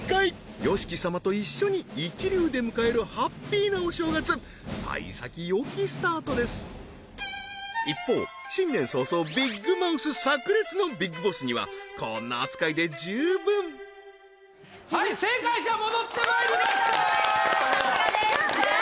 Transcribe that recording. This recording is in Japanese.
ＹＯＳＨＩＫＩ様と一緒に一流で迎えるハッピーなお正月さい先よきスタートです一方新年早々ビッグマウスさく裂のビッグボスにはこんな扱いで十分はい正解者戻ってまいりましたおめでとうございます